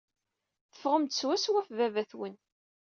Teffɣem-d swaswa ɣef baba-twen.